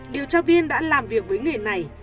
điều tra viên đã làm việc với người này